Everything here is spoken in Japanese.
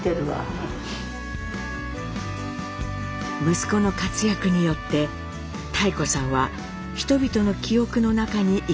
息子の活躍によって妙子さんは人々の記憶の中に生き続けているのです。